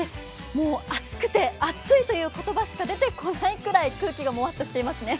もう暑くて、「暑い」という言葉しか出てこないくらい空気がもわっとしていますね。